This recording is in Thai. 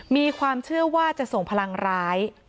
มีความเชื่อว่าจะส่งพลังร้าย